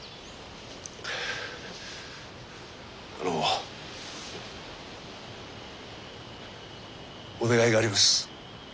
あのお願いがあります。